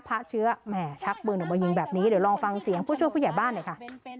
พระเชื้อแหมชักปืนออกมายิงแบบนี้เดี๋ยวลองฟังเสียงผู้ช่วยผู้ใหญ่บ้านหน่อยค่ะ